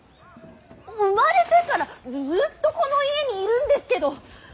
生まれてからずっとこの家にいるんですけど。